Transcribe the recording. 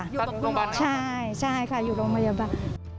อยู่บนโรงพยาบาลเหรอคะใช่ค่ะอยู่บนโรงพยาบาล